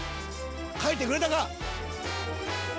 描いてくれたか？